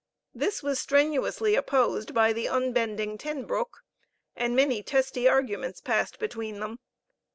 This was strenuously opposed by the unbending Ten Broeck, and many testy arguments passed between them.